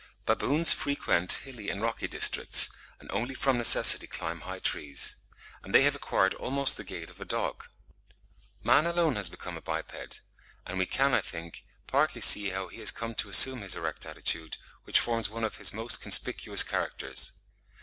Baboons frequent hilly and rocky districts, and only from necessity climb high trees (72. Brehm, 'Thierleben,' B. i. s. 80.); and they have acquired almost the gait of a dog. Man alone has become a biped; and we can, I think, partly see how he has come to assume his erect attitude, which forms one of his most conspicuous characters.